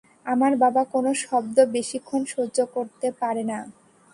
আমার বাবা কোনো শব্দ বেশিক্ষণ সহ্য করতে পারে না।